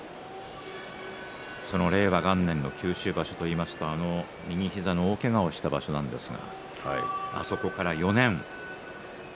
その令和元年の九州場所といいますと右膝の大けがをした場所なんですがあそこから４年。